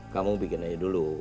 kamu bikin aja dulu